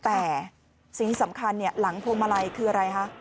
แต่สิ่งสำคัญหลังพวงมาลัยคืออะไรคะ